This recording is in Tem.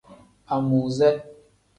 Amuuze.